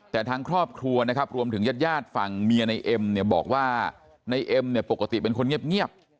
แต่ทางครอบครัวนะครับรวมถึงญาติฝั่งเมียในเอ็มเนี่ยบอกว่าในเอ็มเนี่ยปกติเป็นคนเงียบ